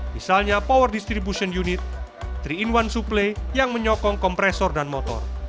misalnya power distribution unit tiga in satu suplai yang menyokong kompresor dan motor